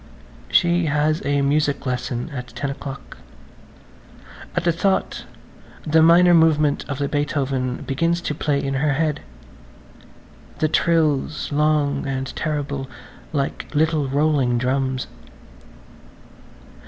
[Page 138] She has a music lesson at ten o'clock. At the thought the minor movement of the Beethoven begins to play in her head, the trills long and terrible like little rolling drums.